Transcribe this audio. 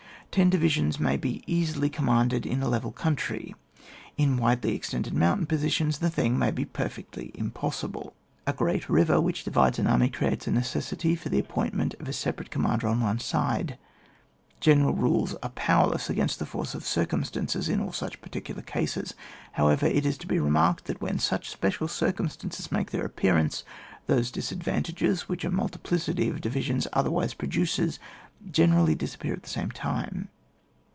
Ten divisions may be easily com manded in a level country; in widely extended mountain positions the thiag may be perfectly imposaible. A great river which divides an army creates a necessity for the appointment of a separate commander on one side. Gene ral rules are powerless against the force of circumstances in all such particular cases; however, it is to be remarked, that when such special circumstances make their appearance, those disadvantages, which a multiplicity of divisions otherwise pro duces, generally disappear at the same time.